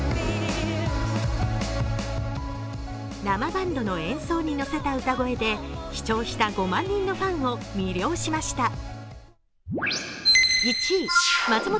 生バンドの演奏にのせた歌声で視聴した５万人のファンを魅了しました。